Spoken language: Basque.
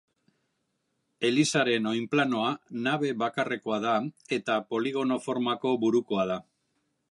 Elizaren oinplanoa nabe bakarrekoa da eta poligono formako burukoa da.